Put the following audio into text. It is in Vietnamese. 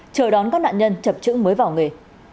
chờ đón các nạn nhân chập chững mới vào nghề